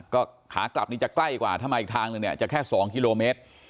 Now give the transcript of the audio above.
ก็ขากลับนี่จะใกล้กว่าถ้ามาอีกทางนึงเนี่ยจะแค่๒กิโลเมตร